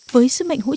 với sứ mệnh hữu trị